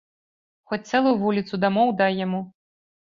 Хоць цэлую вуліцу дамоў дай яму.